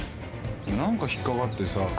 「何か引っ掛かってさ」